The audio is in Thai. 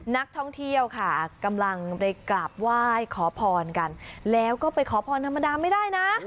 นักท่องเที่ยวค่ะกำลังไปกราบไหว้ขอพรกันแล้วก็ไปขอพรธรรมดาไม่ได้นะ